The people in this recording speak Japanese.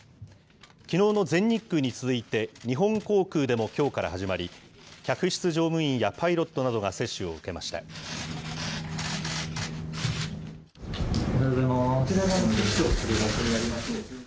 きのうの全日空に続いて、日本航空でもきょうから始まり、客室乗務員やパイロットなどが接種を受けました。